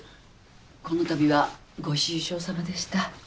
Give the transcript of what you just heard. このたびはご愁傷さまでした。